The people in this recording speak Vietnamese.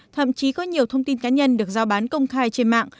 thậm chí có nhiều thông tin cá nhân được giao bán công khai trên mạng